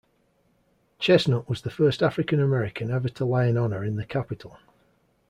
Chestnut was the first African American ever to lie in honor in the Capitol.